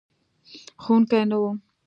ښوونکی نه و.